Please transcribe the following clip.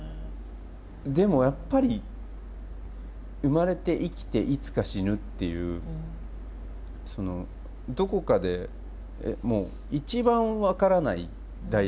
でもやっぱり生まれて生きていつか死ぬっていうどこかでもう一番分からない題材があるっていうか。